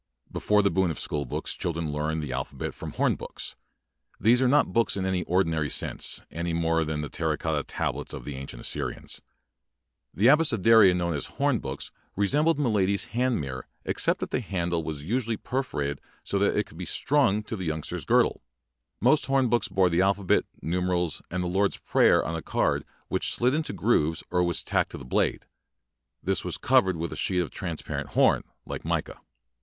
Be fore the boon of schoolbooks, children learned the alphabet from hom lxxdcs. These are not books in the ordinary sense, any more than the terracotta tablets of the ancient Assyrians. The abecedaria known as horn books re sembled milady's hand mirror except that the handle was usually perfo rated 80 that it could be strung to the youngster's girdle. Host horn books bore the alphabet, numerals, and the Lord's Prayer on a card which slid into grooves or was tacked to the blade. This was covered with a sheet of transparent horn, like mica.